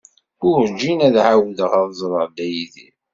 Werǧin ad ɛawdeɣ ad ẓreɣ Dda Yidir.